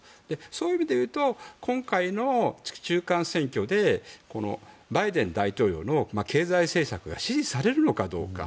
そういう意味で言うと今回の中間選挙でバイデン大統領の経済政策が支持されるのかどうか。